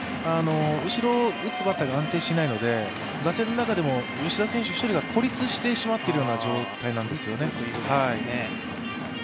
後ろを打つバッターが安定しないので打線の中でも吉田選手１人が孤立してしまっているような状態なんですよね。